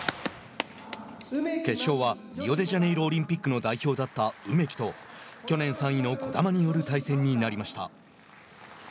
決勝は、リオデジャネイロオリンピックの代表だった梅木と去年３位の児玉による対戦になりました。